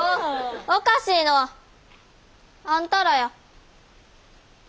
おかしいのはあんたらや。